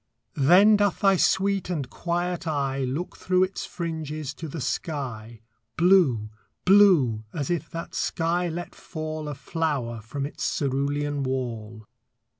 Then doth thy sweet and quiet eye Look through its fringes to the sky, Blue blue as if that sky let fall A flower from its cerulean wall.